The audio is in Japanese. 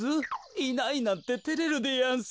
いないなんててれるでやんす。